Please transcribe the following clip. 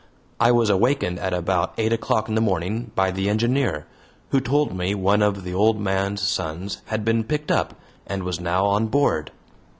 I was awakened at about eight o'clock in the morning by the engineer, who told me one of the old man's sons had been picked up and was now on board.